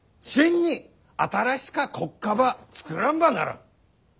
真に新しか国家ば作らんばならん。